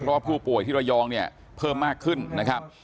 เพราะว่าผู้ป่วยที่ระยองเนี่ยเพิ่มมากขึ้นนะครับ